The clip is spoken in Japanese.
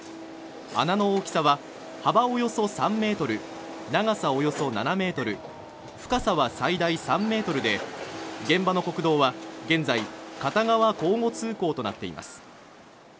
穴の大きさは幅およそ３ｍ、長さおよそ７ｍ、深さは最大３ｍで、現場の国道は現在、片側交互通行となっています